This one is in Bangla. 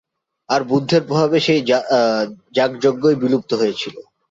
আর বুদ্ধের প্রভাবে সেই যাগযজ্ঞই বিলুপ্ত হয়েছিল।